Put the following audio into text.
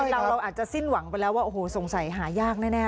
เราอาจจะสิ้นหวังไปแล้วว่าโอ้โหสงสัยหายากแน่